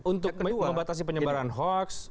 untuk membatasi penyebaran hoax